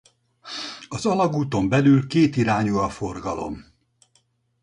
Az alagúton belül kétirányú a forgalom.